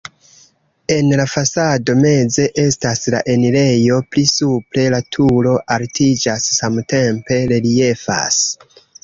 En la fasado meze estas la enirejo, pli supre la turo altiĝas, samtempe reliefas.